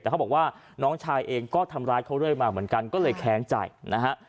แต่เขาบอกว่าน้องชายเองก็ทำร้ายเขาเรื่อยมาเหมือนกันก็เลยแค้นใจนะฮะ